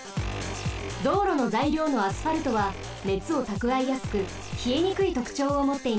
どうろのざいりょうのアスファルトはねつをたくわえやすくひえにくいとくちょうをもっています。